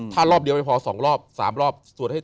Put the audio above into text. ถ้ารอบเดียวไม่พอสองรอบสามรอบ